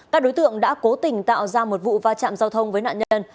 các đối tượng đã cố tình tạo ra một vụ va chạm giao thông với nạn nhân